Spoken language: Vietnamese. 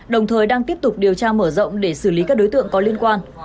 đồng thời đang tiếp tục điều tra mở rộng để xử lý các đối tượng có liên quan